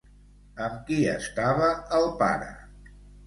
Amb qui estava el pare?